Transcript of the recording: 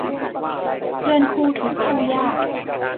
เพื่อนคู่ทุกข์คู่ยาก